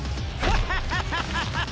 ハハハハハッ！